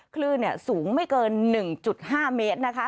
คลื่นสูงไม่เกิน๑๕เมตรนะคะ